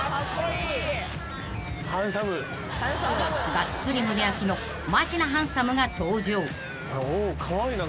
［がっつり胸開きのマジなハンサムが登場］